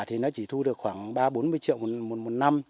thì nó chỉ thu được khoảng ba bốn mươi triệu một năm